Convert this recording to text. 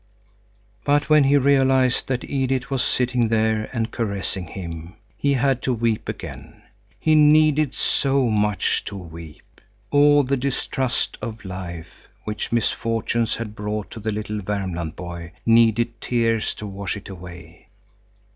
But when he realized that Edith was sitting there and caressing him, he had to weep again. He needed so much to weep. All the distrust of life which misfortunes had brought to the little Värmland boy needed tears to wash it away.